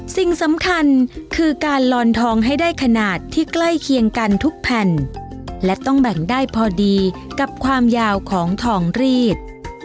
สิ่งสำคัญคือการลอนทองให้ได้ขนาดที่ใกล้เคียงกันทุกแผ่นและต้องแบ่งได้พอดีกับความยาวของทองรีด